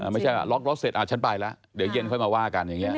ไม่ใช่ว่าล็อกรถเสร็จฉันไปแล้วเดี๋ยวเย็นค่อยมาว่ากันอย่างนี้